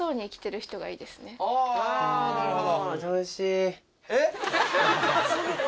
あなるほど。